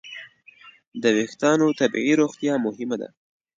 د وېښتیانو طبیعي روغتیا مهمه ده.